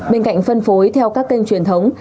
bên cạnh phân phối theo các kênh truyền thống